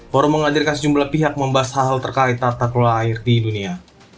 forum mengajarkan sejumlah pihak membahas hal hal terkait tata kelola air di dunia